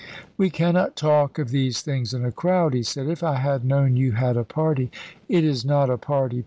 "We cannot talk of these things in a crowd," he said. "If I had known you had a party " "It is not a party.